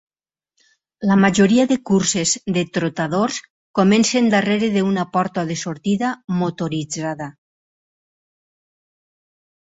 La majoria de curses de trotadors comencen darrere d'una porta de sortida motoritzada.